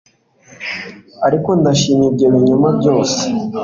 ariko ndashimye ibyo binyoma byose